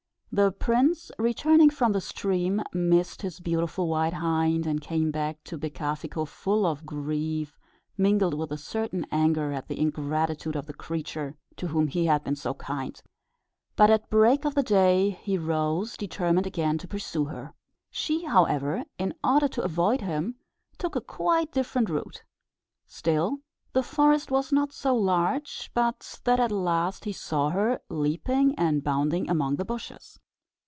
The prince, returning from the stream, missed his beautiful white hind, and came back to Becafico full of grief, mingled with a certain anger at the ingratitude of the creature to whom he had been so kind. But at break of day he rose, determined again to pursue her. She, however, in order to avoid him, took a quite different route. Still, the forest was not so large, but that at last he saw her, leaping and bounding among the bushes.